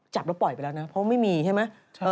จับแล้วปล่อยไปแล้วนะเพราะไม่มีใช่ไหม